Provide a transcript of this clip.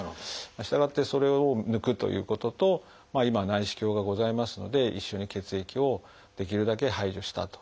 従ってそれを抜くということと今は内視鏡がございますので一緒に血液をできるだけ排除したということになります。